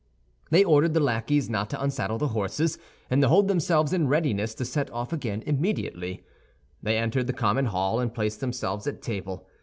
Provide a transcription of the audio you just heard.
They ordered the lackeys not to unsaddle the horses, and to hold themselves in readiness to set off again immediately. They entered the common hall, and placed themselves at table.